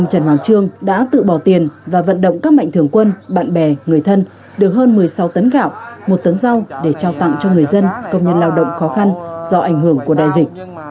trần hoàng trương đã tự bỏ tiền và vận động các mạnh thường quân bạn bè người thân được hơn một mươi sáu tấn gạo một tấn rau để trao tặng cho người dân công nhân lao động khó khăn do ảnh hưởng của đại dịch